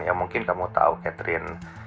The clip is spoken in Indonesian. ya mungkin kamu tahu catherine